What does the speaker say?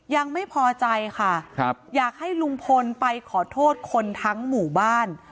ยังไม่พอใจค่ะอยากให้ลุงพลไปขอโทษคนทั้งหมู่บ้าน